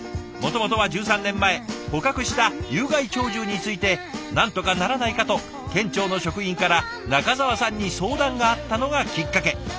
もともとは１３年前捕獲した有害鳥獣についてなんとかならないかと県庁の職員から中澤さんに相談があったのがきっかけ。